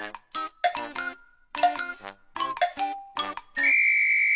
ピッ！